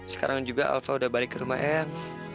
sekarang juga alpha udah balik ke rumah m